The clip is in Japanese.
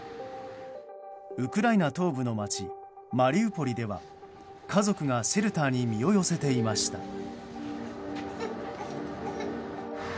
ウクライナ東部の街マリウポリでは家族がシェルターに身を寄せていました。